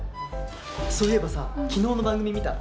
そういえばさ昨日の番組見た？